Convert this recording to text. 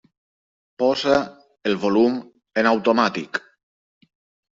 Posa el volum en automàtic.